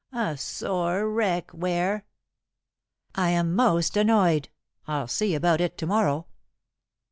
A sore wreck, Ware." "I am most annoyed. I'll see about it to morrow."